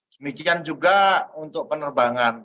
semikian juga untuk penerbangan